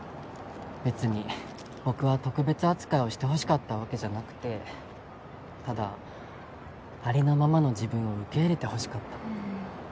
別に僕は特別扱いをしてほしかったわけじゃなくてただありのままの自分を受け入れてほしかった。